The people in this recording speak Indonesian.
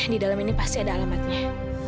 di dalam ini pasti ada alamatnya